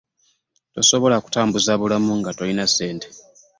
Tosobola kutambuza bulamu nga tolina ssente.